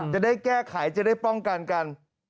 จะได้แก้ไขจะได้ป้องกันกัน